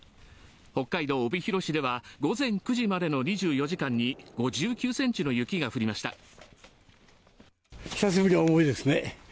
北海道帯広市では午前９時までの２４時間に５９ｃｍの雪が降りました。